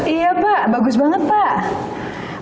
iya pak bagus banget pak